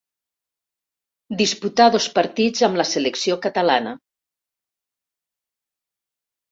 Disputà dos partits amb la selecció catalana.